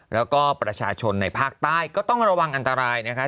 แล้วก็ประชาชนในภาคใต้ก็ต้องระวังอันตรายนะคะ